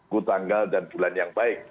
ku tanggal dan bulan yang baik